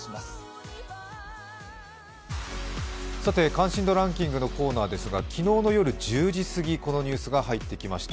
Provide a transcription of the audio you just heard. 関心度ランキングのコーナーですが昨日の夜１０時すぎ、このニュースが入ってきました。